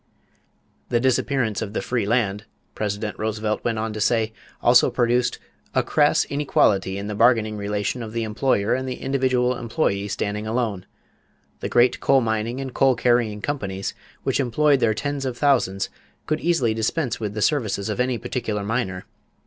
The disappearance of the free land, President Roosevelt went on to say, also produced "a crass inequality in the bargaining relation of the employer and the individual employee standing alone. The great coal mining and coal carrying companies which employed their tens of thousands could easily dispense with the services of any particular miner.